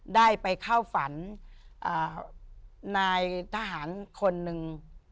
ได้ไปเข้าฝันนายทหารคนหนึ่ง